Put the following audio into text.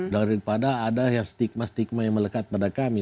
daripada ada yang stigma stigma yang melekat pada kami